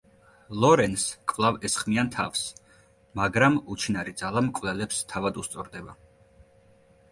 ლორენს კვლავ ესხმიან თავს, მაგრამ უჩინარი ძალა მკვლელებს თავად უსწორდება.